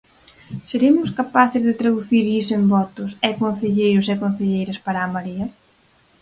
Seremos capaces de traducir iso en votos e concelleiros e concelleiras para a Marea?